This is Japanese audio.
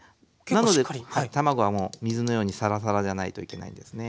なので卵はもう水のようにサラサラじゃないといけないんですね。